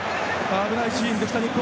危ないシーンでした日本。